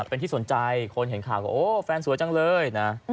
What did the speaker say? เป็นที่สนใจคนเห็นข่าวก็โอ้แฟนสวยจังเลยนะ